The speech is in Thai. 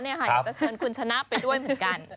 อยากจะเชิญคุณชนะไปด้วยเหมือนกัน